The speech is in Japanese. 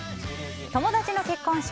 友達の結婚式。